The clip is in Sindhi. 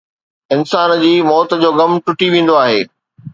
انسان جي موت جو غم ٽٽي ويندو آهي